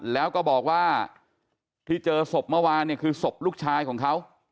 แล้วก็บอกว่าที่เจอศพเมื่อวานเนี่ยคือศพลูกชายของเขา